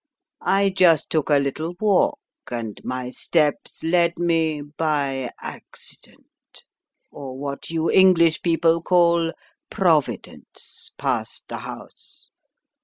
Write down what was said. I just took a little walk and my steps led me by accident — or what you English people call Providence — past the house.